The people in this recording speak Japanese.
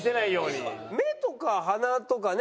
目とか鼻とかね